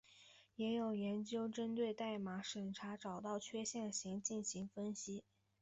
也有研究针对代码审查找到的缺陷类型进行分析。